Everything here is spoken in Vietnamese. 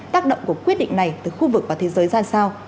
tác động của quyết định này từ khu vực và thế giới ra sao